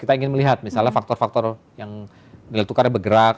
kita ingin melihat misalnya faktor faktor yang nilai tukarnya bergerak